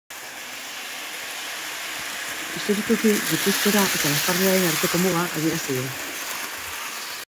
Historikoki Gipuzkera eta Nafarreraren arteko muga adierazi du.